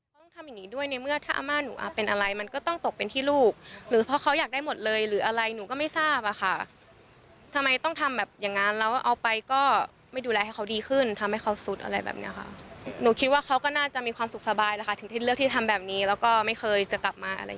แล้วก็ไม่เคยจะกลับมาอะไรอย่างนี้อีกเลยค่ะ